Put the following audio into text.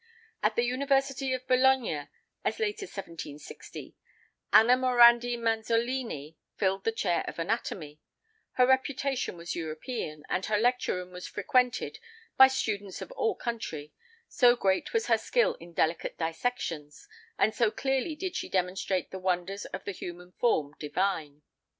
At the University of Bologna, as late as 1760, Anna Morandi Manzolini filled the chair of Anatomy; her reputation was European, and her lecture room was frequented by students of all countries—so great was her skill in delicate dissections, and so clearly did she demonstrate the wonders of the human form divine.